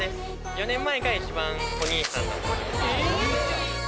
４年前が一番お兄さんだった。